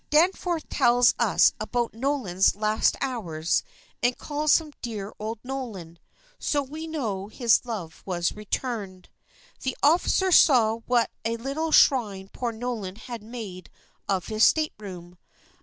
Danforth tells us about Nolan's last hours and calls him "dear old Nolan," so we know his love was returned. The officer saw what a little shrine poor Nolan had made of his stateroom.